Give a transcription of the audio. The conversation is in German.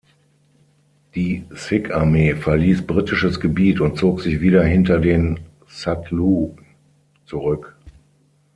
Die Sikh-Armee verließ britisches Gebiet und zog sich wieder hinter den Satluj zurück.